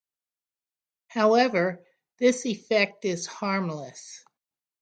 However, this effect is harmless.